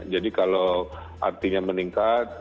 jadi kalau artinya meningkat